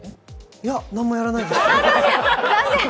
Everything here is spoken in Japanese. いや、何もやらないです。